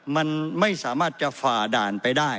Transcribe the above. มันไม่สามารถจะฝ่าด่านไปได้